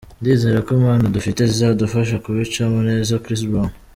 Ndizera ko impano dufite zizadufasha kubicamo neza”, Chris Brown.